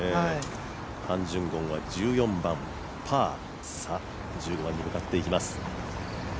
ハン・ジュンゴンは１４番パー１５番に向かっていきます。